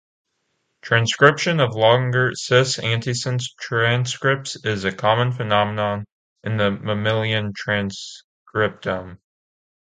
Transcription of longer "cis"-antisense transcripts is a common phenomenon in the mammalian transcriptome.